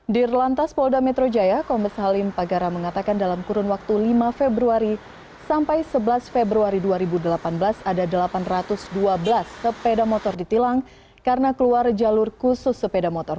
dirlantas polda metro jaya kombes halim pagara mengatakan dalam kurun waktu lima februari sampai sebelas februari dua ribu delapan belas ada delapan ratus dua belas sepeda motor ditilang karena keluar jalur khusus sepeda motor